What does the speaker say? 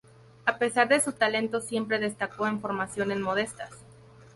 A pesar de su talento, siempre destacó en formaciones modestas.